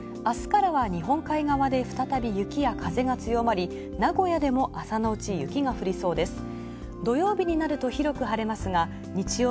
明日からは日本海側で再び雪や風が強まり名古屋でも朝のうち雪が降りそうです。